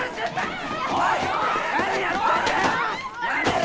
おいッ何やってんだよ